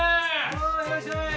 おういらっしゃい！